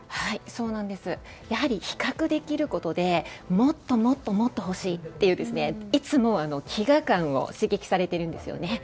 やはり比較できることでもっともっともっと欲しいといういつも飢餓感を刺激されているんですよね。